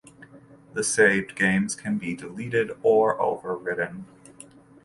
The saved games can be deleted or overwritten.